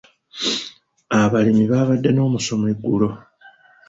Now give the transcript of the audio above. Abalimi baabadde n'omusomo eggulo.